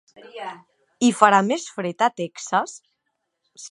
Hi farà més fred a Texas?